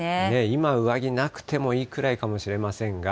今、上着なくてもいいくらいかもしれませんが、